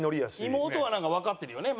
妹はわかってるよね。